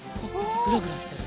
グラグラしてる。